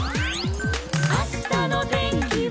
「あしたのてんきは」